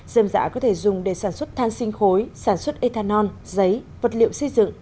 dâm dạ có thể dùng để sản xuất than sinh khối sản xuất ethanol giấy vật liệu xây dựng